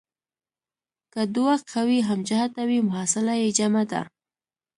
که دوه قوې هم جهته وي محصله یې جمع ده.